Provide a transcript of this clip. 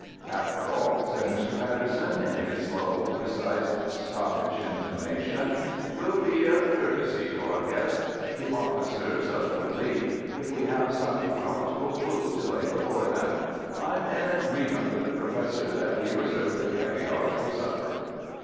"After all," said Mr. Patterson, in his slow, precise Scottish intonation, "it will be a courtesy to our guests—the officers of the relief—if we have some palatable food to lay before them. I'm in agreement with the Professor that we reserve the caviare for supper."